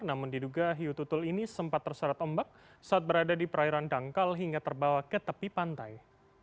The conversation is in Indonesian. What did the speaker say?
namun diduga hiu tutul ini sempat terseret ombak saat berada di perairan dangkal hingga terbawa ke tepi pantai